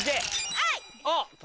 はい！